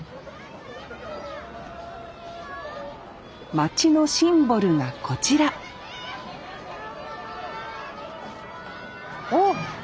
町のシンボルがこちらおお！